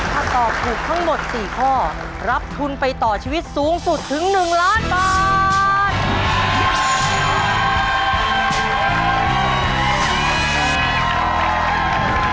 ถ้าตอบถูกทั้งหมด๔ข้อรับทุนไปต่อชีวิตสูงสุดถึง๑ล้านบาท